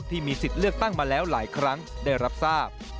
ที่มีสิทธิ์เลือกตั้งมาแล้วหลายครั้งได้รับทราบ